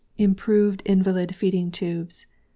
IMPROVED INVALID FEEDING TUBES.